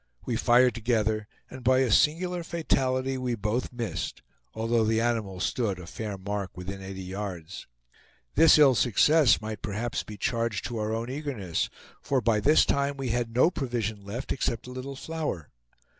We fired together, and by a singular fatality we both missed, although the animal stood, a fair mark, within eighty yards. This ill success might perhaps be charged to our own eagerness, for by this time we had no provision left except a little flour.